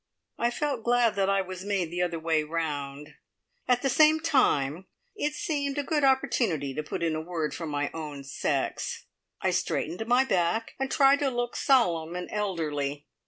I felt glad that I was made the other way round. At the same time it seemed a good opportunity to put in a word for my own sex. I straightened my back, and tried to look solemn and elderly.